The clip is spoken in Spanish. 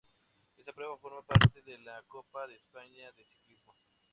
Esta prueba forma parte de la Copa de España de Ciclismo.